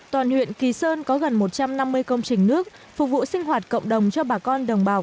toàn huyện kỳ sơn có gần một trăm năm mươi công trình nước phục vụ sinh hoạt cộng đồng cho bà con đồng bào